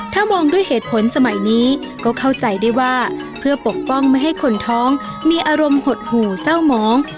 ถ้ามองด้วยเหตุผลสมัยนี้ก็เข้าใจได้ว่าเพื่อปกป้องไม่ให้คนท้องมีอารมณ์หดหู่เศร้าหมอง